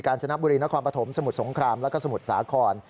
การชนะบุรีนครปฐมสมุดสงครามและสมุดสาขร